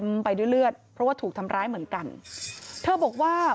ไปด้วยเลือดเพราะว่าถูกทำร้ายเหมือนกันเธอบอกว่า